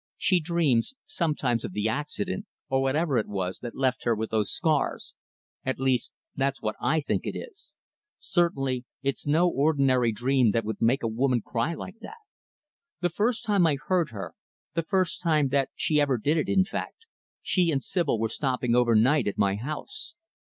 "She dreams, sometimes, of the accident or whatever it was that left her with those scars at least, that's what I think it is. Certainly it's no ordinary dream that would make a woman cry like that. The first time I heard her the first time that she ever did it, in fact she and Sibyl were stopping over night at my house.